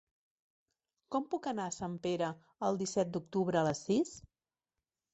Com puc anar a Sempere el disset d'octubre a les sis?